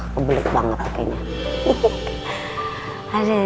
kebelet banget adek adek